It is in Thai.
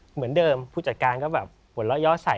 เหมือนเดิมผู้จัดการก็แบบหวนล้อย้อดใส